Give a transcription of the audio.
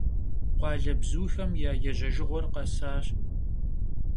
Khualebzuxem ya yêjejjığuer khesaş.